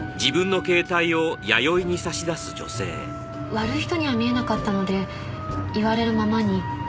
悪い人には見えなかったので言われるままに。